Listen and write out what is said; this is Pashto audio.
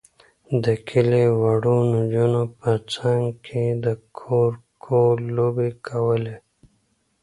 د کلي وړو نجونو به څنګ کې د کورکو لوبې کولې.